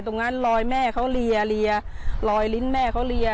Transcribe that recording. ตรงนั้นลอยแม่เขาเรียลอยลิ้นแม่เขาเรีย